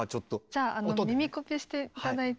じゃあ耳コピして頂いて。